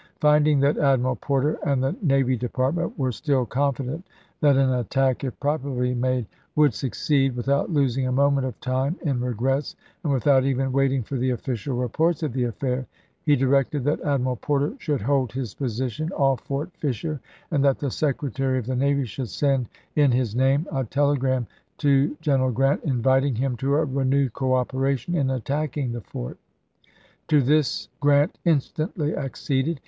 Finding that Admiral Porter and the Navy Department were still confident that an attack, if properly made, would succeed, without losing a moment of time in regrets and without even waiting for the official Welleg t0 reports of the affair, he directed that Admiral Por Dercan29, ter should hold his position off Fort Fisher and Report of that the Secretary of the Navy should send in his SeoCfrtuery name a telegram to General Grant inviting him p.u. to a renewed cooperation in attacking the fort. To this Grant instantly acceded.